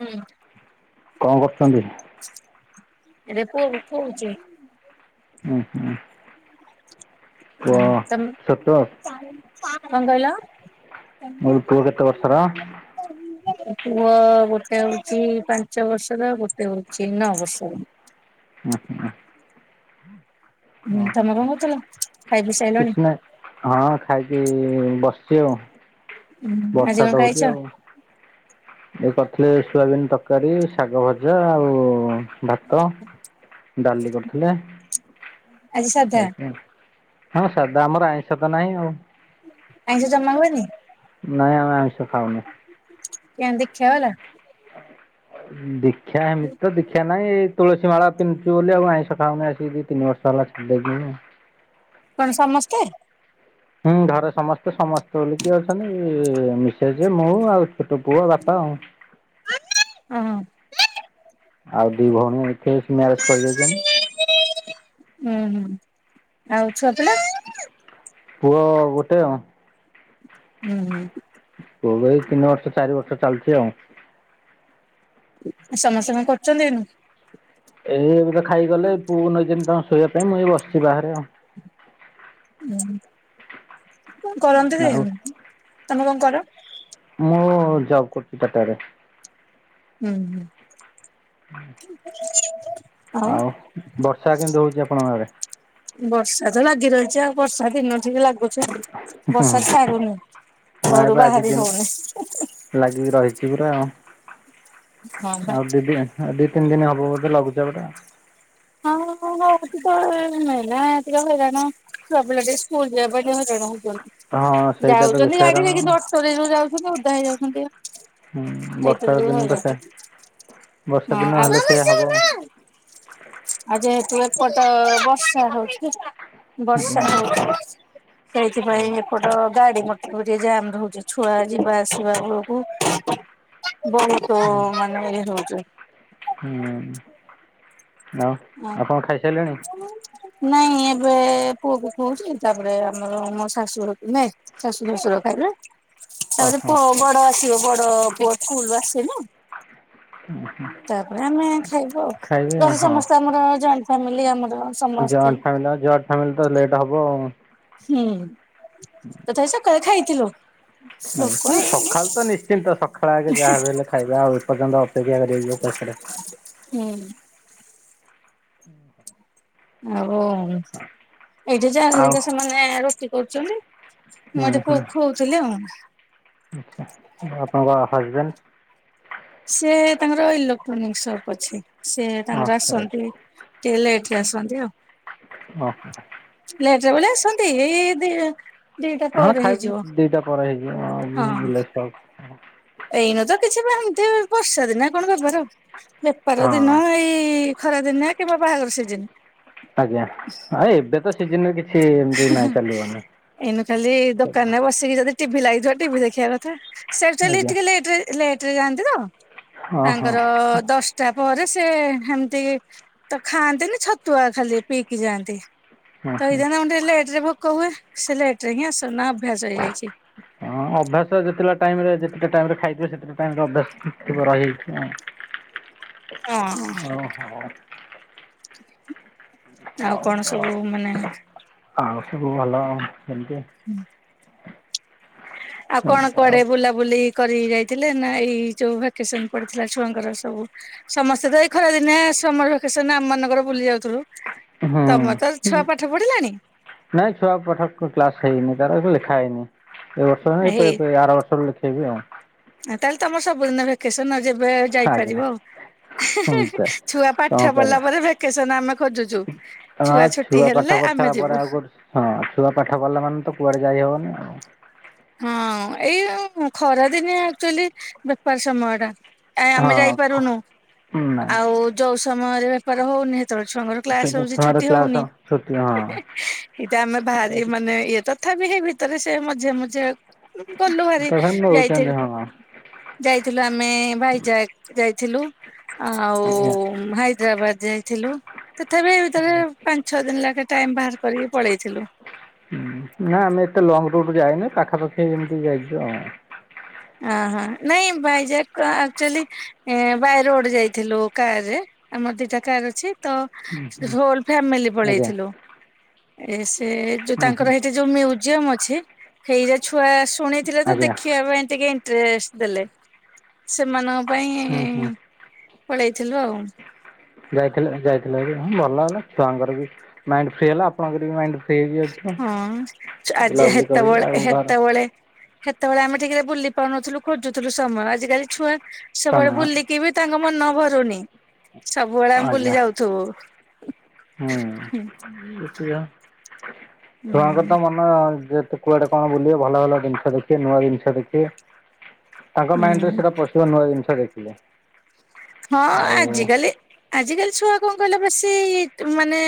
ଉଁ। କଁ କରୁଛନ୍ତି? ଏରେ ପୁଅକୁ ଖୋଉଚି। ଉଁ ହୁଁ କୁଅ ସତ? କଁ କହିଲ? ମୁ ଏବେ ପୁଅ କେତ ବର୍ଷର? ପୁଅ ଗୋଟେ ହଉଚି ପାଞ୍ଚ ବର୍ଷର ଗୋଟେ ହୋଉଚି ନଅ ବର୍ଷର। ଅଁ ହଁ। ହୁଁ ତମେ କଣ ଆଚ୍ଛା କରୁଥିଲ ଖାଇ ପିଇ ସାଇଲଣି କିଛି ନାହି ହଁ ଖାଇକି ବସ୍ ଶୋଇବ ଆଜି ବର୍ଷା କଣ ତ ଖାଇଛ? ହଉଛି ଆଉ। ଏ କରିଥିଲେ ସୋୟାବିିନ ତରକାରୀ, ଶାଗ ଭଜା ଆଉ- ଭାତ ଡାଲି କରିଥିଲେ ଆଜି ସାଧା [unintelligible] ଆମର ସାଧା ଆମର ଆଇଁଷ ତ ନାହିଁ ଆଉ। ଆଇଁଷ ଜମା ହୁଏନି? ନାଇ ଆମେ ଆଇଁଷ ଖାଉନୁ। କିଆଁ ଦୀକ୍ଷା ବାଲା। ଉଁ ଦୀକ୍ଷା ହେମିତି ତ ଦୀକ୍ଷା ନାଇଁ ଏଇ ତୁଳସୀ ମାଳା ପିନ୍ଧୁଚି ବୋଲି ଆଉ ଆଇଁଷ ଖାଉନି ଆସିକି ଦି ତିନି ବର୍ଷ ହେଲା ଛାଡ଼ି ଦେଇଚି ମୁଁ। କଣ ସମସ୍ତେ? ହୁଁ ଘରେ ସମସ୍ତେ ସମ ଘରେ କିଏ ଅଛନ୍ତି ମିସେଜେ ମୁଁ ଆଉ ଛୋଟ ପୁଅ ବାପା ଆଉ। ଓହୋ ଆଉ ଦି ଭଉଣୀ ଏଠି ଆସି ମ୍ୟାରେଜ କରିଦେଇଛନ୍ତି। ଉଁ ହୁଁ ଆଉ ଛୁଆ ପିଲା? ପୁଅ ଗୋଟେ ଆଉ। ହୁଁ ହୁଁ। ପୁଅ କୁ ଏଇ ତିନି ବର୍ଷ ଚାରି ବର୍ଷ ଚାଲୁଛି ଆଉ। ସମୟ ସମୟ କରୁଛନ୍ତି ଏନୁ। ଏଇ ଏବେ ତ ଖାଇକିଗଲେ ପୁଅକୁ ନେଇଛନ୍ତି ତ ଶୋଇବା ପାଇଁ ମୁଁ ଏଈ ବସିଛି ବାହାରେ ଆଉ। ଉଁ କଣ କରନ୍ତି କି ଆଉ ଉଁ ହୁଁ ତମେ କଣ କର? ମୁଁ ଜବ୍ କରୁଛି ଟାଟା ରେ। ଉଁ ହୁଁ। ହୁଁ। ଆଉ ବର୍ଷା କେମିତି ହଉଛି ଆପଣଙ୍କ ଆଡ଼େ? ବର୍ଷା ତ ଲାଗି ରହିଛି ଆଉ ବର୍ଷା ଦିନ ଠିକି ଲାଗୁଛି ବର୍ଷା ଛାଡୁନି। ନାଇଁ ଘରୁ ବା ଆଜି ବାହାରି ଦିନ ହଉନି ହୁଁ ହୁଁ। ଲାଗିକି ରହିଛି ପୁରା ଆଉ। ଆଉ ଦି ଦିନ ଆଉ ଦି ତିନି ଦିନ ହବ ବୋଧେ ଲଘୁଚାପ ଟା। ହଁ ହଉଛି ତ ଏ ମେଲା ଏତିକ ହଇରାଣ ଛୁଆ ପିଲା ଟିକେ ସ୍କୁଲ ଯିବା ପାଇଁ କି ହଇରାଣ ହଁ ହଉଛନ୍ ସେଇଟା ତ ବେଶୀ ଯାଉଛନ୍ତି ହଇରାଣ ଗାଡିରେ କିନ୍ତୁ ଅଟୋରେ ଯୋଉ ଯାଉଛନ୍ତି ଓଦା ହେଇ ଯାଉଛନ୍ତି ହୁଁ ପା। ବର୍ଷା ଏଇଥର ଯୋଉ ଦିନ ତ ହଇରାଣ। ସେ ବର୍ଷା ହଁ ଦିନ ଆଉ ହେଲେ ସେଇଆ ହବ ଆ ଆଊ ଯେହେତୁ ଏପଟ ବର୍ଷା ହଉଛି। ବର୍ଷା ହୁଁ ହଉଛି ସେଇଥିପାଇଁ ଏପଟ ଗାଡି ମ କଉଠି ଏ ଜାମ ରହୁଛି ଛୁଆ ଯିବା ଆସିବା ବେଳୁକୁ। ବହୁତୁ ମାନେ ଇଏ ହଉଛି। ହୁଁ। ଆଉ ହଁ ଆପଣ ଖାଇସାରିଲେଣି? ନାଇଁ ଏବେ। ପୁଅ କୁ ଖୁଅଉଛି ତାପରେ ଆମର ମୋ ଶାଶୁ ନାଇ ଶାଶୁ ଶଶୁର ଖାଇବେ। ତାପରେ ଓହୋ ବ-ବଡ ଆସିବ ବଡ ପୁଅ ସ୍କୁଲରୁ ଆସିବ। ତାପରେ ଆମେ ଖାଇବୁ ଆଉ ଖାଇବେ ଘରେ ହଁ ସମସ୍ତେ ଆମର ଜଏଣ୍ଟ ଫ୍ୟାମିଲି ଆମ ଜଏଣ୍ଟ ଫ୍ୟାମିଲୀ ଅ ଜଏଟ ଫ୍ୟାମିଲୀ ତ ଲେଟ୍ ହବ। ହୁଁ ତଥାପି ସକାଳେ ଖାଇଥିଲୁ। ନାଇ ଭୋକ ହୁଁ ହେଇନି ସଖାଳୁ ତ ନିଶ୍ଚିନ୍ତ ସ ଖରା ବେଳେ କେ ଯାହା ବି ହେଲେ ଖାଇବା ଆଉ ଏପର୍ଯ୍ୟନ୍ତ ଅପେକ୍ଷା କରିବ କିଏ। [unintelligible] ହୁଁ ହୁଁ ହୁଁ। ଆଉ ଏଇଠି ଯା ଆଉ ଘରିକା ସେମାନେ ରୁଟି କରୁଛନ୍ତି। ମୁଁ ହୁଁ ଏଇଠି ହୁଁ ପୁଅକୁ ଖୁଅଉଥିଲି ଆଚ୍ଛା ଆଉ। ଆପଣଙ୍କ ହଜବେଣ୍ଡ? ସେ ତାଙ୍କର ଇଲୋକ୍ଟ୍ରୋନିକ ସପ୍ ଅଛି ସେ ହଁ ତାଙ୍କର ଆସନ୍ତି। ଟିକେ ଲେଟରେ ଆସନ୍ତି ଆଉ। ଓ ହୋ। ଲେଜ ବେଳେ ଆସନ୍ତି ଏ ଏ ଦି ଦିଟା ହଁ ପରେ ଖାଇବି ହେଇଯିବ ଦିଟା ପରେ ହଁ। ହେଇଯିବ ବିଲେଶ ଏଇନୁ ତ କିଛି ବା ହେମିତି ବର୍ଷା ଦିନ କଣ ବେପାର ବେପାର ହଁ ଦିନ ଏଇ ଖରା ଦିନେ କିମ୍ବା ବାହାଘର ସିଜିନି। ଆଜ୍ଞା ଏବେ ତ ଶିଯିନି କିଛି ଏମିତି ନାଇଁ ଚାଲିବନି। ଏଇନୁ ଖାଲି ଦୋକାନ ରେ ବସିକି ଯଦି ଟିଭି ଲା ଟିଭି ଦେଖିବା କଥା ସେ ଟାଲି ଆଜ୍ଞା ଟିକେ ଲେଟରେ ଲେଟରେ ଯାଆନ୍ତି ତ। ହଁ ତାଙ୍କର ହଁ। ଦଶଟା ପରେ। ସେ ହେମିତି ତ ଖାଆନ୍ତିନି ଛତୁଆ ଖାଲି ପିଇକି ଯାଆନ୍ତି। ହଁ ତ ଏଇଜାନା ମୋତେ ଲେଟ ରେ ଭୋକ ହୁଏ ସେ ଲେଟ ରେ ହିଁ ଆସ ନା ହଁ ଅଭ୍ୟାସ ଯେତେଲା ଟାଇମିରେ ଯେତ ଟାଇମ ରେ ଖାଇ ଯିଏ ସେତିଟା ଟାଇମ୍ ରେ ଅଭ୍ୟାସ ରହିଯାଇଛି ଆଉ। ହଁ। ଆଉ ହଉ କଣ ସବୁ ହଉ ମାନେ [unintelligible] ସବୁ ଭଲ ସେମିତି ଆ। ଆଉ କଣ କୁଆଡେ ବୁଲାବୁଲି କରି ଯାଇଥିଲେ ନା ଏଇ ଯୋଉ ଭେକେସନ ପଡିଥିଲା ଛୁଆଙ୍କର ସବୁ ସମସ୍ତେ ତ ଏଇ ଖରାଦିନେ ସମର ଭାକେସନ ଆମ ମାନଙ୍କର ବୁଲି ଯାଉଥିଲୁ। ତମର ତ ଛୁଆ ପାଠ ପଢିଲାଣି ନାଇଁ ଛୁଆ ପାଠକ କ୍ଲାସ ହେଇନି ତାର ଲେଖା ହେଇନି। ଏ ବର୍ଷ ଏପେ ହେଇ ଏପେ ଆର ବର୍ଷ ଲେଖେଇବି ଆଉ। ତାହେଲେ ତମର ସବୁଦିନ ଭ୍ୟାକେସନ ଆଉ ଯେବେ ଯାଇପାରିବ ଆଜ୍ଞା ଆଉ। ଏମିତିଆ ଛୁଆ ପାଠ କ'ଣ ପଢିଲା କରିବା ପରେ ଭେକେସନ ଆମେ ଖୋଜୁଛୁ ଛୁଆ ଛୁଟି ହେଲେ ବର୍ଷା ଆମେ ଯିବୁ ପରା କରୁଛି ହଁ ଛୁଆ ପାଠ ପଢ଼ିଲା ମାନେ ତ କୁଆଡେ ଯାଇହବନି ଆଉ। ହଁ ଏଇ ଖରା ଦିନିଆ ଆକ୍ଚୁଆଲି ବେପାର ସମୟ ଟା। ଏ ଆମେ ହଁ ଯାଇପାରୁନୁ ନାଇଁ ଆଉ ଯୋଉ ସମୟରେ ବେପାର ହଉନି ତଳ ଛୁଆଙ୍କର କ୍ଲାସ ସେଇଟା ହଉଛି ଛୁଆର ଛୁଟି କ୍ଲାସ୍ ହଉନି ଛୁଟି ହଁ ଏଇଟା ଆମେ ଭାରି ମାନେ ଇଏ ତ ତଥାପି ସେ ହେ ଭିତରେ ସେ ମଝେ ମଝେ ଗଲୁ ହେରି ତାହେଲେ ଯାଇଥି ନେଉଛନ୍ତି ହଁ ଯାଇଥିଲୁ ଆମେ ଭାଇଚାକ ଯାଇ ଥିଲୁ ଆଉ ଆଜ୍ଞା ହାଇଦ୍ରାବାଦ ଯାଇଥିଲୁ। ତଥାପି ଏଇଭିତରେ ପାଞ୍ଚ ଛଅ ଦିନ ଲାଗେ ଟାଇମ ବାହାର କରିକି ପଳେଇଥିଲୁ। ହୁଁ ନା ଆମେ ଏତେ ଲଙ୍ଗ ରୁଟ୍ ଯାଇନୁ ପାଖାପାଖି ଏମିତି ଯାଇଚୁ ଆଉ। ଅଁ ହଁ ନାଇଁ ଭାଇଜାକ ଆକ୍ଚୁଆଲି ବାଇ ରୋଡ ଯାଇଥିଲୁ କାର ରେ ଆମର ଦିଟା କାର ଅଛି। ତ ହୁଁ ହୁଁ ହୋଲ ଫ୍ୟାମିଲି ଆଜ୍ଞା ପଳେଇଥିଲୁ ଏ ସେ ଯୋଉ ହୁଁ ତାଙ୍କର ହୁଁ ହେଇଠି ଯୋଉ ମ୍ୟୁଜିୟମ ଅଛି ହେଇରେ ଛୁଆ ଶୁଣିଥିଲେ ତ ଆଜ୍ଞା ଦେଖିବା ପାଇଁ ଟିକେ ଇଣ୍ଟରେଷ୍ଟ ଦେଲେ ସେମାନଙ୍କ ହୁଁ ହୁଁ ପାଇଁ ପଳେଇଥିଲୁ ଆଉ। ଯାଇଥିଲେ ଯାଇଥିଲେ ହେରି ଭଲ ହେଲା ଛୁଆଙ୍କର ବି ମାଇଣ୍ଡି ଫ୍ରି ହେଲା ଆପଣଙ୍କର ବି ମାଇଣ୍ଡି ହଁ ଆଜି କରିକି ହେତବଳେ ଆଉ ଘର ହେତବଳେ ହେ ସେତେବେଳେ ଆମେ ଠିକ୍ ରେ ବୁଲି ପାଉନଥିଲୁ ଖୋଜୁଥିଲୁ ସମୟ। ଆଜିକାଲି ଛୁଆ ସବୁବେଳେ ବୁଲିକି ବି ତାଙ୍କ ମନ ଭରୁନି ସବୁବେଳେ ଆମେ ବୁଲି ଆଜ୍ଞା ଯାଉଥିବୁ। ହୁଁ ଏତ [unintelligible] ଛୁଆ ଙ୍କ ହୁଁ ତ ମନ ଯେ ତ କୁଆଡେ କଣ ବୁଲିବେ ଭଲ ଭଲ ଜିନିଷ ଦେଖିବେ ନୂଆ ଜିନିଷ ଦେଖିବେ। ତାଙ୍କ ମାଇଣ୍ଡିରେ ହୁଁ ସେଇଟା ପଶିବ ନୁହଁ ଜିନିଷ ଦେଖିଲେ। ହଁ ଆଉ ଆଜିକାଲି ଆଜିକାଲି ଛୁଆ କଣ କହିଲ ବେଶି ମାନେ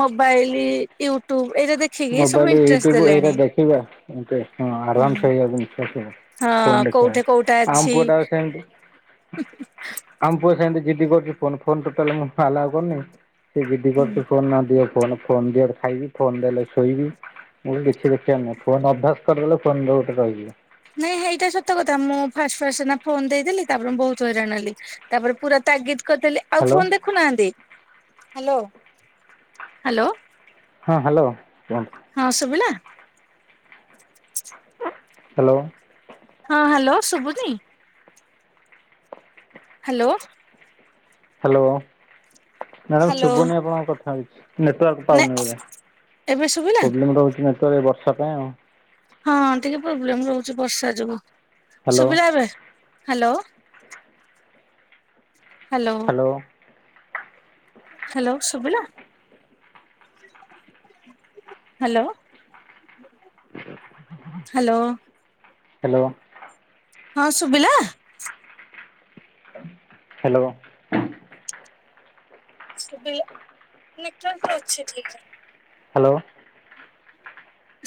ମୋବାଇଲ ୟୁଟ୍ୟୁବୁ ମୋବାଇଲ ୟୁଟ୍ୟୁବ ଏଇରା ଦେଖିବେ ହଁ ହୁଁ ଏଡଭାନ୍ସ ହେଇଯାଉଛନ୍ତି ସବୁ। ହଁ ଫୋନ୍ ଦେଖିବା କୋଉଠି କୋଉଟା ଅଛି ଆମପୁଅଟା ସେମିତି ଆମପୁଅ ସେମିତି ଜିଦି କରୁଚି ଫୋନ ଫୋନ ଟୋଟାଲ ଆଲାଉ କରୁନି ସେ ଜିଦି ହୁଁ କରୁଛି ଫୋନ ନ ଦିଆ ଫୋ ଫୋନ ଦିଅର ଖାଇବି ଫୋନ ଦେଲେ ଶୋଇବି ମୁଁ ଦେଖି ଦେଖି ଆ ଫୋନ ଅଭ୍ୟାସ କରିଦେଲେ ଫୋନ ଗୋଟେ ରହଯିବ। ନାଇଁ ସେଇଟା ସତ କଥା, ମୁଁ ଫାଷ୍ଟ ଫାଷ୍ଟ ସିନା ଫୋନ ଦେଇଦେଲି, ତାପରେ ମୁଁ ବହୁତ ହଇରାଣ ହେଲି ତାପରେ ପୁରା ତାଗିଦ ମୁଁ କହିଲି ଆଉ ହ୍ୟାଲୋ ଫୋନ ଦେଖୁନାହାନ୍ତି, ହାଲୋ ହଁ ହାଲୋ କୁହନ୍ତୁ? ଶୁଭିଲା ହାଲୋ ହଁ ହାଲୋ ଶୁଭୁଛି। Hello hello, madam hello. ଶୁଭନି ଆପଣଙ୍କ କଥା କିଛି ନେଟୱାର୍କ ପାଉନି ନାଇଁ ବୋଧେ, ଏବେ ଶୁଭିଲା ପ୍ରୋବ୍ଲେମ୍ ରହୁଛି ନେଟୱାର୍କ ବର୍ଷା ପାଇଁ ଆଉ ହଁ ଟିକେ ପ୍ରୋବ୍ଲେମ ରହୁଛି ବର୍ଷା ଯୋଗୁ ହ୍ୟାଲୋ ସୁବିିଲା ଏବେ ହାଲୋ ହାଲୋ ହ୍ୟାଲୋ ହାଲୋ ସୁବିଲା ହାଲୋ ହାଲୋ ହାଲୋ ହଁ ଶୁଭିଲା ହାଲୋ ଶୁଵିଲା ନେଟୱର୍କ ତ ଅଛି ଠିକରେ ହାଲୋ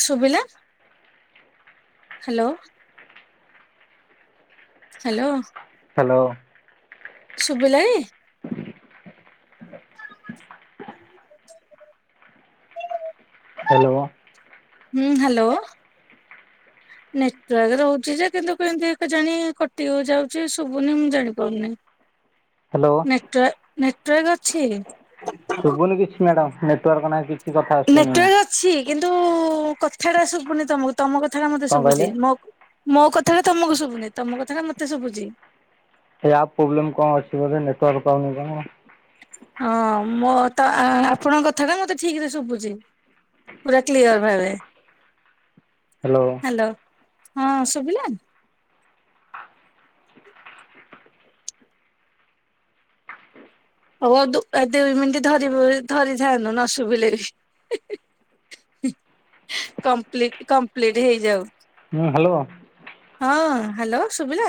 ସୁବିଲା। ହାଲୋ ହାଲୋ ହାଲୋ ଶୁଭିଲା [unintelligible] ହାଲୋ ହଁ ହାଲୋ ନେଟୱାର୍କ ରହୁଛି ଯେ କିନ୍ତୁ କେମିତି ଜାଣି କଟି ଯାଉଛି ଶୁବୁନି, ମୁଁ ଜାଣି ପାରୁନି। ହ୍ୟାଲୋ ନେଟ ନେଟୱାର୍କ ଅଛି। ଶୁଭୁନୁ କିଛି ମ୍ୟାଡାମ ନେଟାର୍ ନାହିଁ କିଛି କଥା ଆସୁନି ନେଟୱାର୍କ ଅଛି କିନ୍ତୁ କଥା ଟା ଶୁଭୁନି ତମକୁ ତମ କଥାଟା ମତେ କ'ଣ କହିଲେ ଶୁଭୁଛି, ମୋ କଥାଟା ତମକୁ ଶୁଭୁନି ତମ କଥାଟା ମତେ ଶୁଭୁଛି। ଆ ପ୍ରୋବ୍ଲେମ୍ କଣ ଅଛି? ନେଟୱାର୍କ ପାଉନି କଣ ହଁ ମୋ ତ ଆପଣଙ୍କ କଥା ଟା ମତେ ଠିକ ରେ ଶୁଭୁଛି ପୁରା କ୍ଳିଅର ଭାବେ ହାଲୋ ହ୍ୟାଲୋ ହଁ ଶୁଭିଲା। ହଉଉ ଦୁଇ ମିନିଟ ଧରି ଧରିଥାନ୍ତୁ ନ ଶୁଭିଲେ ବି କପ କମ୍ପ୍ଲିଟ ହେଇଯାଉ। ହୁଁ ହାଲୋ ହଁ ହାଲୋ ସୁବିଲା।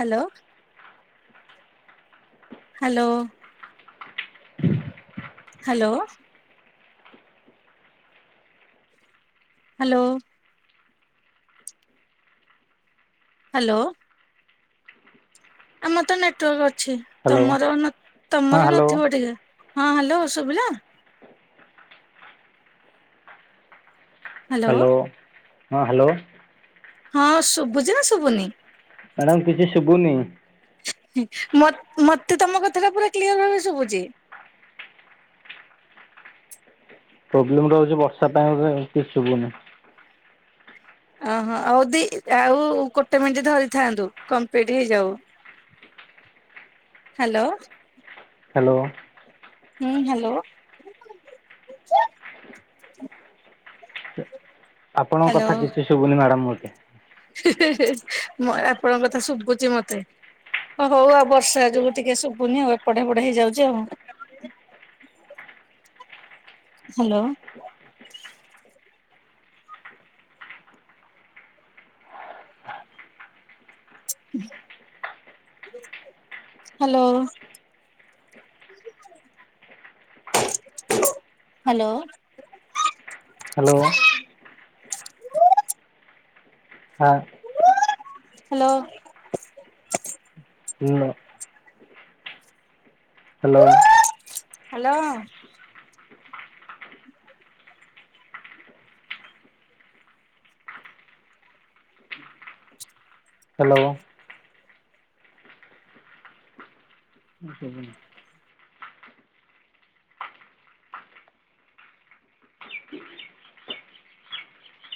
Hello hello hello hello hello ଆମର ତ ନେଟୱାର୍କ ଅଛି ହ୍ୟାଲୋ ହଁ ତମର ତମର ହ୍ୟାଲୋ ନଥିବ ଟିକେ ହଁ ହାଲୋ ସୁଭିଲା ହ୍ୟାଲୋ ହାଲୋ ହଁ ହାଲୋ ହଁ ଶୁଭୁଛି ନା ଶୁଭୁନି। ମ୍ୟାଡ଼ାମ କିଛି ଶୁଭୁନି। ମୋ ମୋତେ ତୋମ କଥା ଟା ପୁରା କ୍ଲିୟର୍ ଭାବେ ଶୁଭୁଛି। ପ୍ରୋବ୍ଲେମ୍ ରହୁଚି ବର୍ଷା ଟାଇମ୍ ରେ କିଛି ଶୁଭୁନି। ଓହୋ! ଆଉ ଦି ଆଉ ଗୋଟେ ମିନିଟ୍ ଧରିଥାନ୍ତୁ କମ୍ପ୍ଲିଟ୍ ହେଇଯାଉ। ହାଲୋ। ହାଲୋ। ହୁଁ, ହାଲୋ। ସେ ଆପଣଙ୍କ କଥା କିଛି ଶୁଭୁନି ମ୍ୟାଡାମ୍ ମୋତେ। ମୋ ଆପଣଙ୍କ କଥା ଶୁଭୁଚି ମୋତେ। ହୋ ହଉ ଆଉ ବର୍ଷା ଯୋଗୁ ଟିକେ ଶୁଭୁନି ଆଉ ଏପଟେ ସେପଟେ ହେଇଯାଉଚି ଆଉ। ହୋ ହାଲୋ। [unintelligible] ହାଲୋ। ହାଲୋ। ହାଲୋ। [unintelligible] ହଁ। ହାଲୋ। ହାଲୋ। ହାଲୋ। ହ୍ୟାଲୋ। ନା ଶୁଭୁନି।